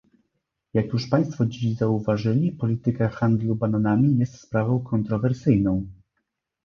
Jak już państwo dziś zauważyli, polityka handlu bananami jest sprawą kontrowersyjną